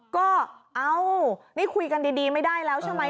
ก็เอ้านี่คุยกันดีไม่ได้แล้วใช่ไหม